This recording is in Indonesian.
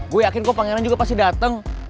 gue cokok pangeran jika pasti dateng